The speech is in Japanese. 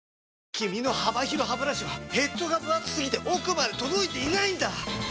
君の幅広ハブラシはヘッドがぶ厚すぎて奥まで届いていないんだ！